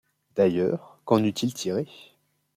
D’ailleurs, qu’en eût-il tiré?